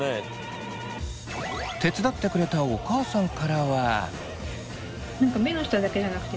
手伝ってくれたお母さんからは。